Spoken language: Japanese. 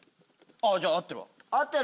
じゃあ合ってるわ。